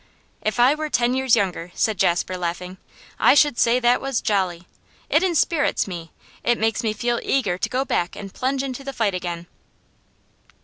'If I were ten years younger,' said Jasper, laughing, 'I should say that was jolly! It enspirits me. It makes me feel eager to go back and plunge into the fight again.